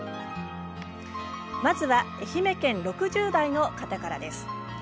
まずは愛媛県６０代の方からです。